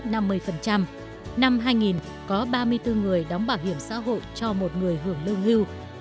năm hai nghìn có ba mươi bốn người đóng bảo hiểm xã hội cho một người hưởng lương hưu